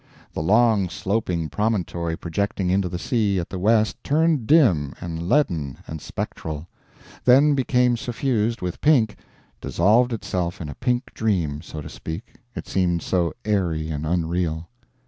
The long, sloping promontory projecting into the sea at the west turned dim and leaden and spectral, then became suffused with pink dissolved itself in a pink dream, so to speak, it seemed so airy and unreal.